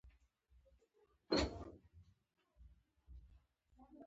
خالد د منصور عباسي د وزیر په توګه دنده کوله.